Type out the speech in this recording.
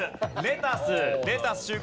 レタス。